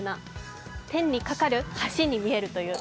天に架かる橋に見えるという。